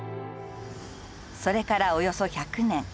それから、およそ１００年。